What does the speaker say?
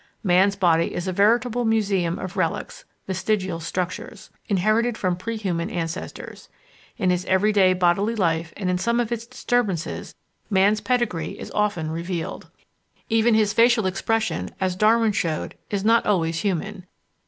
Man's body is a veritable museum of relics (vestigial structures) inherited from pre human ancestors. In his everyday bodily life and in some of its disturbances, man's pedigree is often revealed. Even his facial expression, as Darwin showed, is not always human.